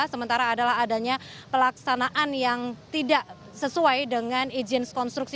sementara adalah adanya pelaksanaan yang tidak sesuai dengan izin konstruksi